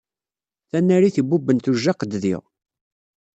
Tanarit ibubben tujjaqed diɣ.